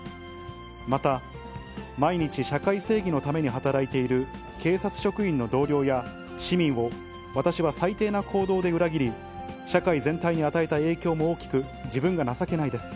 また、毎日社会正義のために働いている警察職員の同僚や、市民を私は最低な行動で裏切り、社会全体に与えた影響も大きく、自分が情けないです。